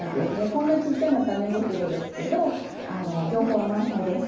こんなちっちゃなタネ袋ですけど情報は満載です。